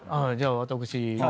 じゃあ私。